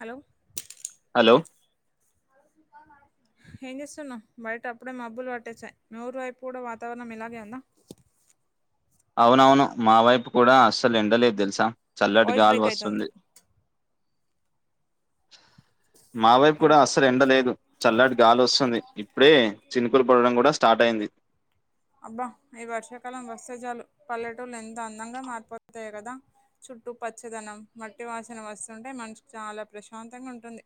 Hello hello బాగున్నారా ఏం చేస్తున్నావు బయట అప్పుడే మబ్బులు పట్టేసాయి మీ ఊరు వైపు కూడా వాతావరణం ఇలాగే ఉందా అవునవును మా వైపు కూడా అస్సలు ఎండలేదు తెలుసా చల్లటి వాయిస్ గాలి బ్రేక్ అయితుంది వస్తుంది మా వైపు హలో కూడా అస్సలు ఎండలేదు చల్లటి గాలి వస్తుంది ఇప్పుడే చినుకులు పడడం కూడా స్టార్ట్ అయింది అబ్బా ఈ వర్షాకాలం వస్తే చాలు పల్లెటూళ్లు ఎంత అందంగా మారిపోతాయి కదా చుట్టు పచ్చదనం మట్టి వాసన వస్తుంటే మనసుకు చాలా ప్రశాంతంగా ఉంటుంది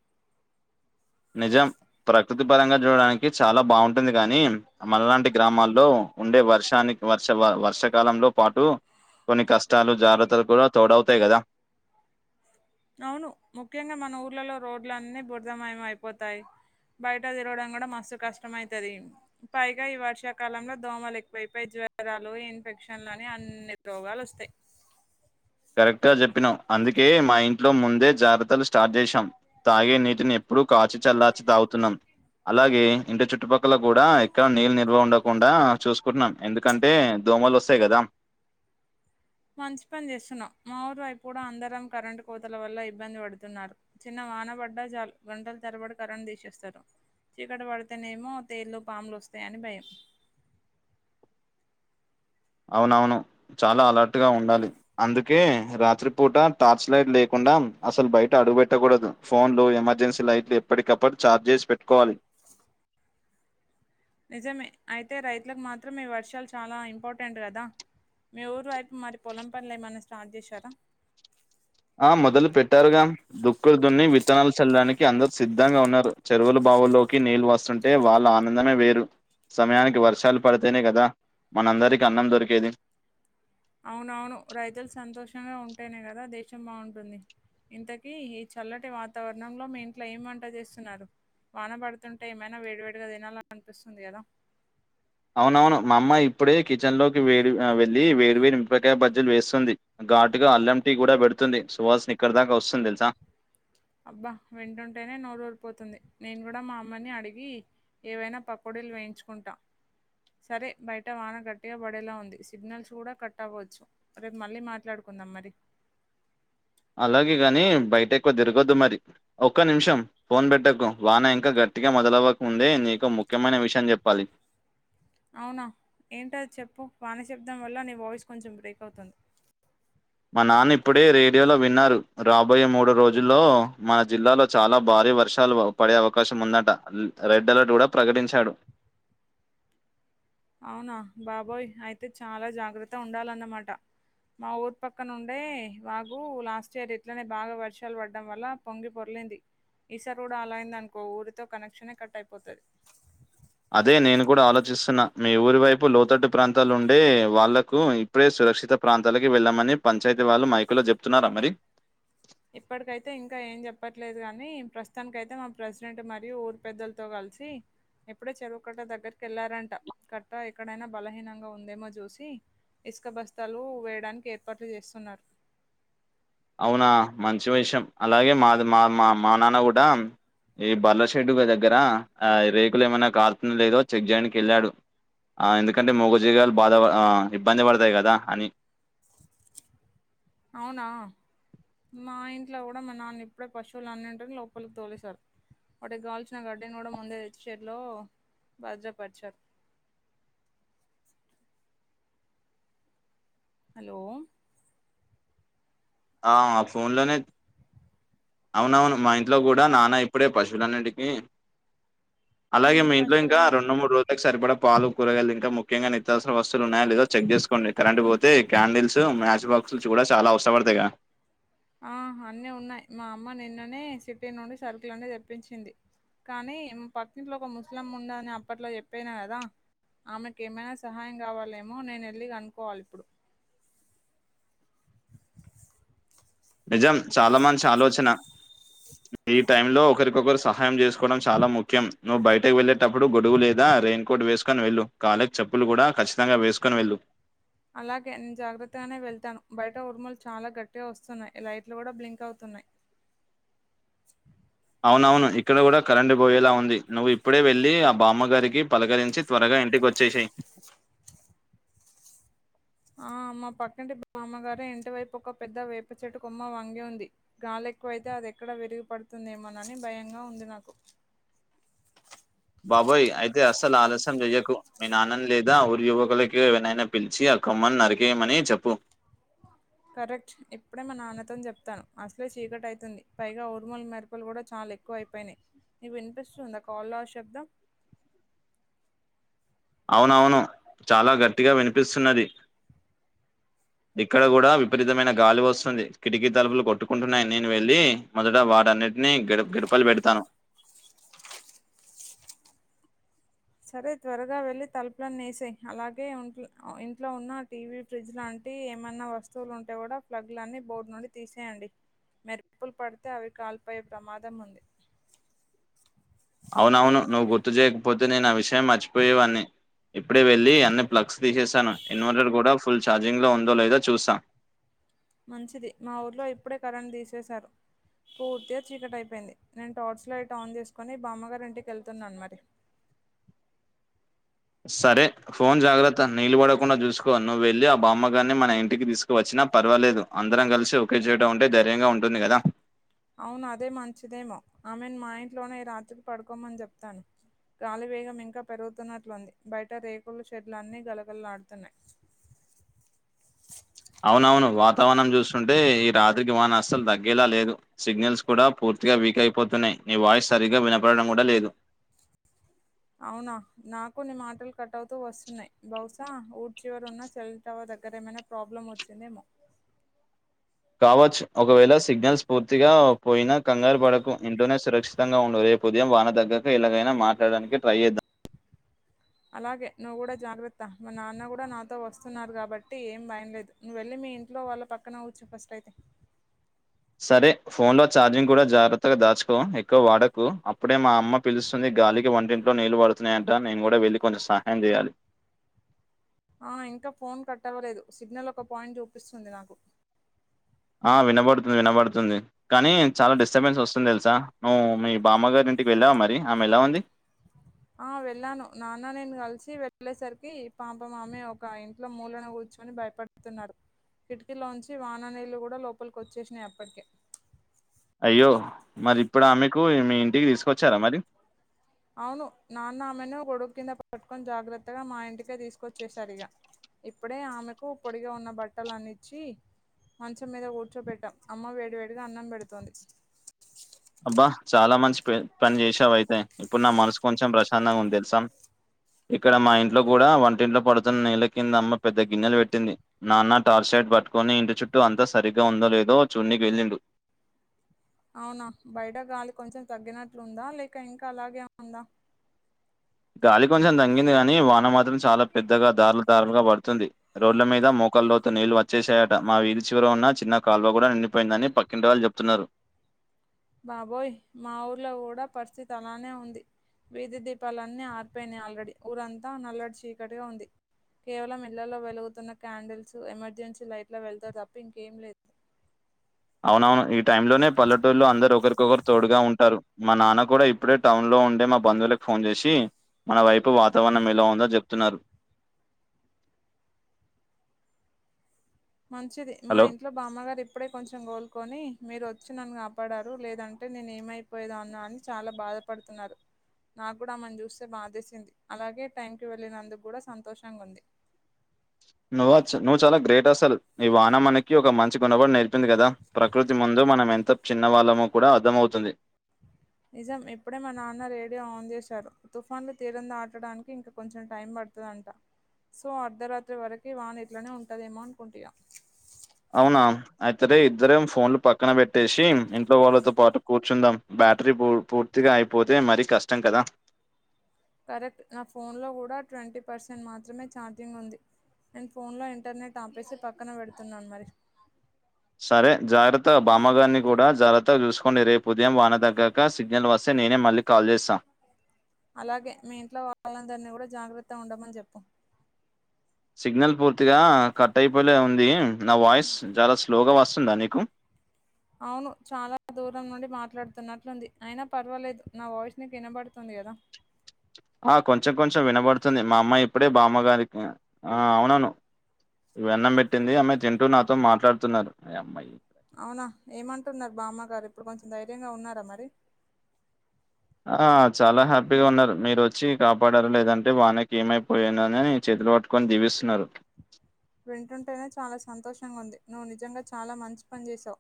నిజం ప్రకృతి పరంగా చూడడానికి చాలా బాగుంటుంది కానీ మనలాంటి గ్రామాల్లో ఉండే వర్షానికి వర్ష వ వర్షాకాలంలో పాటు కొన్ని కష్టాలు జాగ్రత్తలు కూడా తోడవుతాయి కదా అవును ముఖ్యంగా మన ఊర్లలో రోడ్లన్నీ బుర్ధమయ అయిపోతాయి బయట తిరగడం కూడా మస్తు కష్టమైతది పైగా ఈ వర్షాకాలంలో దోమలు ఎక్కువైపోయి జ్వరాలు ఇన్ఫెక్షన్లు అని అన్ని రోగాలు వస్తాయి కరెక్ట్ గా చెప్పినావ్ అందుకే మా ఇ ట్లో ముందే జాగ్రత్తలు స్టార్ట్ చేసాం తాగే నీటిని ఎప్పుడూ కాచి చల్లాచి తాగుతున్నాం అలాగే ఇంటి చుట్టుపక్కల కూడా ఎక్కడ నీళ్ళు నిల్వ ఉండకుండా చూసుకుంటున్నాం ఎందుకంటే దోమల్ వస్తాయి కదా మంచి పని చేస్తున్నావు మా ఊరి వైపు అందరం కరెంటు కోతల వల్ల ఇబ్బంది పడుతున్నారు చిన్న వానబడ్డ చాలు గంటలు తరబడి కరెంట్ తీసేస్తారు చీకటి పడితేనేమో తేలు పాములు వస్తాయని భయం అవునవును చాలా అలర్ట్ గా ఉండాలి అందుకే రాత్రిపూట టార్చ్ లైట్ లేకుండా అసలు బయట అడుగు పెట్టకూడదు ఫోన్లు ఎమర్జెన్సీ లైట్లు ఎప్పటికప్పుడు ఛార్జ్ చేసి పెట్టుకోవాలి నిజమే అయితే రైతులకు మాత్రం ఈ వర్షాలు చాలా ఇంపార్టెంట్ కదా మీ ఊరి వైపు మరి పొలం పనులు ఏమన్నా స్టార్ట్ చేశారా ఆ మొదలు పెట్టారుగా దుక్కులు దున్ని విత్తనాలు చల్లడానికి అందరు సిద్ధంగా ఉన్నారు చెరువులు వాగుళ్ళోకి నీళ్ళు వస్తుంటే వాళ్ళ ఆనందమే వేరు సమయానికి వర్షాలు పడితేనే కదా మనందరికీ అన్నం దొరికేది అవునవును రైతులు సంతోషంగా ఉంటేనే కదా దేశం బాగుంటుంది ఇంతకీ ఈ చల్లటి వాతావరణంలో మీ ఇంట్లో ఏం వంట చేస్తున్నారు వాన పడుతుంటే ఏమైనా వేడివేడిగా తినాలనపిస్తుంది కదా అవునవును మా అమ్మ ఇప్పుడే కిచెన్ లోకి వేడి అ వెళ్ళి వేడి వేడి మిరపకాయ బజ్జీలు వేస్తుంది ఘాటుగా అల్లం టీ కూడా పెడుతుంది సువాసన ఇక్కడ దాకా వస్తుంది తెలుసా అబ్బా వింటుంటేనే నోరు ఊరిపోతుంది నేను కూడా మా అమ్మాని అడిగి ఏవైనా పకోడీలు వేయించుకుంటా సరే బయట వాన గట్టిగా పడేలా ఉంది సిగ్నల్స్ కూడా కట్ అవ్వచ్చు రేపు మళ్ళీ మాట్లాడుకు కుదాం మరి అలాగే గాని బయట ఎక్కువ తిరగొద్దు మరి ఒక్క నిమిషం ఫోన్ పెట్టకు వాన ఇంకా గట్టి ట్టిగా మొదలవ్వకముందే నీకు ముఖ్యమైన విషయం చెప్పాలి అవునా ఏంటది చెప్పు వాన శబ్దం వల్ల నీ వాయిస్ కొంచెం బ్రేక్ అవుతుంది మా నాన్న ఇప్పుడే రేడియోలో విన్నారు రాబోయే మూడు రోజుల్లో మన జిల్లాలో చాలా భారీ వర్షాలు పడే అవకాశం ఉందట రెడ్ అలర్ట్ కూడా ప్రకటించాడు అవునా బాబోయ్ అయితే చాలా జాగ్రత్త ఉండాలన్నమాట మా ఊరు పక్క నుండే వాగు లాస్ట్ ఇయర్ ఇట్లనే బాగా వర్షాలు పడ్డం వల్ల పొంగి పొర్లి ర్లింది ఈసారి కుడా అలా అయిందనుకో ఊరితో కనెక్షనే కట్ అయిపోతది అదే నేను కూడా ఆలోచిస్తున్నా మీ ఊరి వైపు లోతట్టు ప్రాంతాళ్ళో ఉండే వాళ్ళకు ఇప్పుడే సురక్షిత ప్రాంతాలకి వెళ్లమని పంచాయతీ వళ్ళు మైకులో చెప్తున్నారా మరి ఇప్పటికైతే ఇంకా ఏం చెప్పట్లేదు కాని ప్రస్తుతాననికి అయితే మా ప్రెసిడెంట్ మరియు ఊరు పెద్దలతో కల్ ల్సి ఎప్పుడే చెరువు కట్ట దగ్గరికి వెళ్లారంట కట్ట్రా ఎక్కడైనా బలహీనంగా ఉందేమో చూసి ఇసుక బస్తాలు వేయడానికి ఏర్పాట్లు చేస్తున్నారు అవునా మంచి విషయం అలాగే మాది మా మా మా నాన్న కూడా ఈ బర్లా షెడ్డు గా దగ్గర ఆ రేకులు ఏమైనా కారుతుంద లేదో చెక్ చేయడానికేళ్ళాడు అ ఎందుకంటే మూగ జివాలు బాధ అ ఇబ్బంది పడుతాయి కదా అని అవునా మా ఇంట్లో కూడా మా నాన్న ఇప్పుడే పశువులన్నింటిని లోపలికి తోలేశారు వాటికి కావాల్సిన గాడ్ని కూడా ముందే తెచ్చి షెడ్ లో భద్రపరిచారు హలో ఆ ఫోన్ లోనే అవును అవును మా ఇంట్లో కూడా నాన్న ఇప్పుడే పశువులన్నింటికి అలాగే మీ ఇంట్లో పశువులు ఇంకా రెండు అన్నింటికి మూడు రోజులకు సరిపడా పాలు కూరగాలు ఇంకా ముఖ్యంగా నిత్యవసర వస్తువులు ఉన్నాయా లేదో చెక్ చేసుకోండి కరెంట్ పోతే క్యాంల్స్ మ్యాచ్ బాక్ క్స్ కుడా చాలా అవసర పడుతయ్ గా ఆ అన్నీ ఉన్నాయి మా అమ్మ నిన్ననే సిటీ నుండి సరుకుల్ అని తెప్పించింది కానీ మా పక్క ఇంట్లో ఒక ముసలమ్మ ఉంది అని అప్పట్లో చెప్పినా కదా ఆమె కేమైనా సహాయం కావాలేమో నేను వెళ్లి అనుకోవాలి ఇప్పుడు నిజం చాలా మంచి ఆలోచన ఈ టైమ్ లో ఒకరికొకరు సహాయం చేసుకోవడం చాలా ముఖ్యం నువ్వు బయటకి వెళ్లేటప్పుడు గొడుగు లేదా. రైయిన్ కోట్ వేసుకొని వెళ్ళు కాలకి చెప్పులు కూడా ఖచ్చితంగా వేసుకొని వెళ్ళు. అలాగే నేను జాగ్రత్తగానే వెళ్తాను బయట ఉర్ములు చాలా గట్టిగా వస్తున్నాయి లైట్లు కూడా బ్లింక్ అవుతున్నాయి. చు. అవునవును ఇక్కడ కూడా కరెంట్ పోయేలా ఉంది నువ్వు ఇప్పుడే వెళ్ళి ఆ బామ్మగారికి పలకరించి త్వరగా ఇంటికి. వచ్చే సేయ్. సుక్ సుక్. ఆ మా పక్కంటి మామ్మగారి ఇంటివైపు ఒక పెద్ద వేప చెట్టు కొమ్మ వంగి ఉంది గాలి. ఎక్కువైతే అది ఎక్కడ విరిగుపడుతుందేమోనని భయంగా ఉంది నాకు. బాబాయ్ అయితే అస అసలు ఆలస్యం చెయ్యకు మీ నాన్నని లేదా ఊరి యువకులకుకి ఏవనైనా పిలిచి ఆ కొమ్మని నరికేయమని చెప్పు. కరెక్ట్ ఇప్పుడే మా నాన్న తో చెప్. అసలే చీకటి అయితుంది పైగా ఊర్మలు మెరుపులు కూడా చాలా ఎక్కువ అయిపోయినాయి మీకు వినిపిస్తుందా. కాల్ లి శబ్దం. అవునవును చాలా గట్టిగా వినిపిస్తున్నది. ఆ. ఇక్కడ కూడా విపరీతమైన గాలి వస్తుంది కిటికీ తలుపులు కొట్టుకుంటున్నాయి నేను వెళ్ళి మొదట వాడన్ని. న్నిటిని గ గడపలు పెడతాను. సుచ్ సుచ్. సరే త్వరగా వెళ్లి తలుపులన్నీ వేసేయ్ అలాగేం ఇంట్లో ఉన్న టీవీ ఫ్రిడ్జ్ లాంటి. టి ఏమైన్నా వస్తువులు ఉంటే కూడా ప్లగ్లన్నీ బోర్డు నుండి తీసేయండి. మెరుపులు పడితే అవి కాల్ పోయే ప్రమాదం ఉంది. అవునవును నువ్వు గుర్తు చేయకపోతే నేను ఆ విషయం మర్చిపోయేవాన్ని. ఇప్పుడే వెళ్లి అన్ని ప్లగ్స్ తీసేసాను ఇన్వర్టర్ కూడా ఫుల్ ఛార్జింగ్ లో ఉందో లేదో చూస్తా. మంచిది మా ఊర్లో ఇప్పుడే కరెంట్ తీసేశారు. పూర్తిగా చీకటి అయిపోయింది నేను టార్చ్ లైట్ ఆన్ చేసుకొని బామ్మగారి ఇంటికి వెళ్తున్నాను మరి. హా. సరే ఫోన్ జాగ్రత్త నీలు బడకుండా చూసుకో నువ్వు వెళ్ళి ఆ బామ్మగారిని మన ఇంటికి తీసుకువచ్చి న పర్వాలేదు అందరం కలిసి ఒకే చోట ఉంటే ధైర్యంగా ఉంటుంది కదా. అవును అదే మంచిదేమో ఆమెను మా ఇంట్లోనే ఈ రాత్రికి పడుకోమని చెప్తాను. గాలి వేగం ఇంకా పెరుగుతున్నట్లుంది బయట రేకులు షెడ్లు అన్నీ గలగల్లాడుతున్నాయి. ఆ ఆ. అవునవును వాతావరణం చూస్తుంటే ఈ రాత్రికి వాన అసలు తగ్గేలా లేదు సిగ్నల్స్ కూడా పూర్తి. పూర్తిగా వీక్ అయిపోతున్నాయి నీ వాయిస్ సరిగ్గా వినపడడం కూడా లేదు. దా ది. అవునా నాకు నీ మాటలు కట్ అవుతూ వస్తున్నాయి బహుశా ఊరు చివరు ఉన్నా సెల్ టవర్ దగ్గర ఏమైనా ప్రాబ్లమ్ వచ్చిందేమో. కావచ్చు ఒకవేళ సిగ్నల్స్ పూర్తిగా పోయినా కంగారు పడకు ఇంట్లోనే సురక్షితంగా ఉండు. రేపు ఉదయం వాన దగ్గక ఎలాగైనా మాట్లాడానికి ట్రై చేద్దాం. ఆ. అలాగే నువ్వు కూడా జాగ్రత్త మా నాన్న కూడా నాతో వస్తున్నారు కాబట్టి ఏం భయంలేదు నువ్వు వెళ్ళి మీ. మీ ఇంట్లో వాళ్ళ పక్కన కూర్చొ ఫస్ట్ అయితే. సరే ఫోన్ లో ఛార్జింగ్ కూడా జాగ్రత్తగా దాచుకో ఎక్కువ వాడకు అప్పుడే మా అమ్మ పిలుస్తుంది గాలికి వంటింట్లో నీళ్ళు పడుతున్నాయంట నేను కూడా వెళ్ళి కొంచెం సహాయం చేయాలి ఆ ఇంకా ఫోన్ కట్టవ్వలేదు సిగ్నల్ ఒక పాయింట్ చూపిస్తుంది. నాకు ఆ వినబడుతుంది వినబడుతుంది కానీ చాలా డిస్టర్బెన్స్ వస్తుంది తెలుసా నువ్వు మీ బామ్మగారి ఇంటికి వెల్ ళ్ళవా మరి ఆమె ఎలా ఉంది ఆ వెళ్ళాను నాన్న నేను కలిసి వెళ్ళేసరికి పాపం మా మమ్మీ ఒక ఇంట్లో మూలన కూర్చు కూర్చుని భయపడుతున్నాడు కిటికీలోంచి వాన నీళ్ళలు కూడా లోపలికి వచ్చేసినాయి అప్పటికే అయ్యో మరి ఇప్పుడు ఆమెకు మీ ఇంటికి తీసుకొచ్చారా మరి అవును నాన్న ఆమెను కొడుకు కింద పట్టుకొని జాగ్రత్తగా మా ఇంటికే తీసుకొచ్చేశారు ఇగా ఇప్పుడే ఆమెకు పొడిగా ఉన్న బట్టలు అన్నిచ్చి మంచం మీద కూర్చోబెట్టాం అమ్మ వేడివేడిగా అన్నం పెడుతోంది అబ్బా చాలా మంచి ప- పని చేశావు అయితే ఇప్పుడు నా మనసు కొంచెం ప్రశాంతంగా ఉంది తెలుసా ఇక్కడ మా ఇంట్లో కూడా వంటింట్లో పడుతున్న నీళ్ళ కింద అమ్మ పెద్ద గిన్నెలు పెట్టింది. నాన్న టార్చర్ పట్టుకొని ఇంటి చుట్టూ అంతా సరిగ్గా ఉందో లేదో చూడానీకి వెల్లిండు అవునా బయట గాలి కొంచెం తగ్గినట్లు ఉందా లేక ఇంకా అలాగే ఉందా గాలి కొంచెం తగ్గింది గాని వాన మాత్రం చాలా పెద్దగా దారులు దారులుగా పడుంతుంది తుంది రోడ్ల మీద మోకాలు లోతు నీళ్లు వచ్చేసాయట మా వీది చివర ఉన్న చిన్న కాల్వ కూడా నిండిపోయిందని పకింటి వాళ్ళు చెప్తున్నారు బాబోయ్ మా ఊర్లో కూడా పరిస్థితి అలానే ఉంది వీధి దీపాలన్నీ ఆర్పోయినాయి ఆల్రెడీ ఊరంతా నల్లడి చీకటిగా ఉంది. కేవలం ఇళ్లలో వెలుగుతున్న క్యాండల్స్ ఎమర్జెన్సీ లైట్లో వెళ్తా తప్ప ఇంకేం లేదు అవునవును ఈ టైం లోనే పల్లెటూరులో అందరు ఒకరికొకరు తోడుగా ఉంటారు. మా నాన్న కూడా ఇప్పుడే టౌన్ లో ఉండే మా బంధువులకు ఫోన్ చేసి మన వైపు వాతావరణం ఎలా ఉందోని అని చెప్తూతున్నారు. మంచిది మా హలో ఇంట్లో బామ్మగారు ఇప్పుడే కొంచెం కోలుకొని మీరు వచ్చి నన్ను కాపాడారు లేదంటే నేను ఏమైపోయేదన్నో అని చాలా బాధపడుతున్నారు. నాకు కూడా అమను చూస్తే బాధేసింది. అలాగే టైంకి వెళ్ళినందుకు కూడా సంతోషంగా ఉంది. నువ్వా నువ్వు చాలా గ్రేట్ అసలు ఈ వాన మనకి ఒక మంచి గునపటం నేర్పి పింది కదా ప్రకృతి ముందు మనం ఎంత చిన్న వాళ్ళమో కూడా అర్థం అవుతుంది నిజం ఇప్పుడే మా నాన్న రేడియో ఆన్ చేశారు తుఫాన్లు తీరం దాటడానికి ఇంకా కొంచెం టైం పడు తది అంట సో అర్ధరాత్రి వరక వాన ఇట్లానే ఉంటదేమో అనుకుంట ఇరే ఇద్దరం ఫోన్లు పక్కన పెట్టేసి ఇంట్లో వాళ్ళతో పాటు కూర్చుందాం బ్యాటరీ పూర్తిగా అయిపోతే మరీ కష్టం కదా కరెక్ట్ నా ఫోన్ లో కూడా ట్వంటీ పర్సెంట్ మాత్రమే ఛార్జింగ్ ఉంది నేను ఫోన్లో ఇంటర్నెట్ ఆపేసి పక్కన పెడుతున్నాను మరి సరే జాగ్రత్త బామ్మగారిని కూడా జాగ్రత్తగా చూసుకోండి రేపు ఉదయం వాన తగ్గక సిగ్నల్ వస్తే నేనే మళ్ళీ కాల్ చేస్తా అలాగే మీ ఇంట్లో వాళ్ళందరినీ కూడా జాగ్రత్త ఉండమని చెప్పు సిగ్నల్ పూర్తిగా కట్ అయిపోలే ఉంది. నా వాయిస్ చాలా స్లోగా వస్తుందా నీకు అవును చాలా దూరం నుండి మాట్లాడుతున్నట్లుంది అయినా పర్వాలేదు నా వాయిస్ నీకు వినబడుతుంది. కదా ఆ కొంచెం కొంచెం వినబడుతుంది మా అమ్మ ఇప్పుడే బామ్మగారికి ఆ అవునవును వెన్నం పెట్టింది అమ్మాయి తింటూ నాతో మాట్లాడుతున్నారు ఆ అమ్మాయి అవునా ఏమంటున్నారు బామ్మ గారు ఇప్పుడు కొంచెం ధైర్యంగ ఉన్నారా మరి ఆ చాల హ్యాపీగా ఉన్నారు మీరు వచ్చి కాపాడారు లేదంటే వానకి ఏమైపోఏనని [unintelligible] పట్టుకొని దీవిస్తున్నారు వింటుంటేనే చాలా సంతోషంగా ఉంది నువ్వు నిజంగా చాలా మంచి పని చేసావు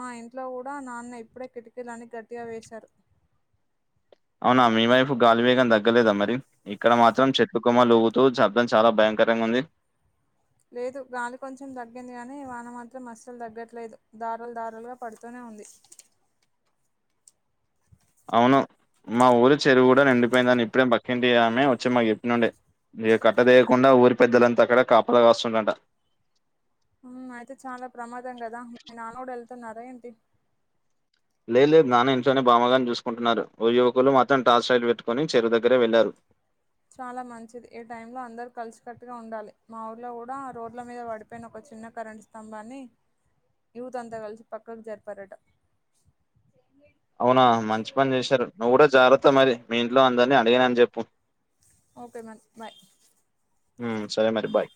మా ఇంట్లో కూడ నాన్న ఇప్పుడే కిటికీలన్ని గట్టిగా వేశారు అవునా మీ వైపు గాలి వేగం తగ్గలేదా మరి ఇక్కడ మాత్రం చెట్టు కొమ్మలు ఉగుతు శబ్దం చాల భయం కరంగా ఉంది లేదు గాలి కొంచెం తగ్గింది గానీ వాన మాత్రం మస్సలు తగ్గట్లేదు దరు దారులుగా పడుతూనే అంది అవును మా ఊరి చెరువు కూడ నిండిపోయిందని ఇప్పుడే మ పక్కింటి ఆమె వచ్చే మాకు చెప్ప నుండే మీ కట్ట తీయకుండా ఊరి పెద్దలంతా అక్కడ కాపల కాస్తురంట ఆ అయితే చాల ప్రమాదం కదా మీ నాన్న కూడ వెళ్తున్నార ఏంటి లేదు లేదు నాన్న ఇంట్లోనే బామగారిని చూసుకుంటున్నారు ఓ యువకులు మాత్రం టార్చ్ స్టట్ పెట్టుకుని చెరువు దగ్గర వెళ్లారు చాల మంచిది ఏ టైమ్ లో అందరు కలిసికట్టుగా ఉండాలి మా ఊర్లో కూడా రోడ్ల మీద పడిపోయిన [unintelligible] చిన్న కరెంట్ స్తంభాన్ని యూత్ అంతా కలిసి పక్కకు జరిపారట అవునా మంచి పని చేశారు నువ్వు కూడ జగ్రత్తా మరి మీ ఇంట్లో అందరినీ అడిగనాని చెప్పు ఓకే మ్యామ్ బాయ్ హు సరే మరి బాయ్